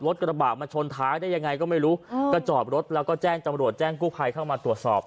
รถกระบะมาชนท้ายได้ยังไงก็ไม่รู้ก็จอดรถแล้วก็แจ้งจำรวจแจ้งกู้ภัยเข้ามาตรวจสอบ